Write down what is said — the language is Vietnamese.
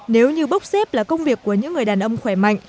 nếu như bốc xếp là công việc của những người đàn ông khỏe mạnh